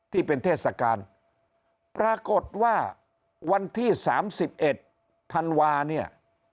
ที่เป็นเทศกาลปรากฏว่าวันที่๓๑ธันวาเนี่ย